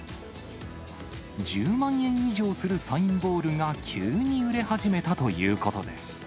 １０万円以上するサインボールが急に売れ始めたということです。